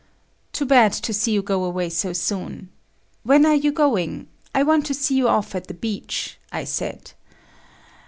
"Too bad to see you go away so soon. When are you going? I want to see you off at the beach," I said.